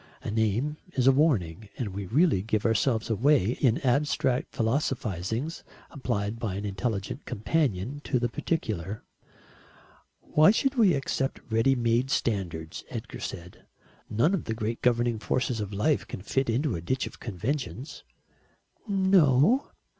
A name is a warning, and we really give ourselves away in abstract philosophisings applied by an intelligent companion to the particular. "Why should we accept ready made standards?" Edgar said. "None of the great governing forces of life can fit into a ditch of conventions." "No."